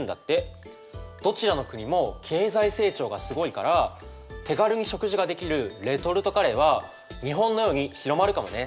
どちらの国も経済成長がすごいから手軽に食事ができるレトルトカレーは日本のように広まるかもね。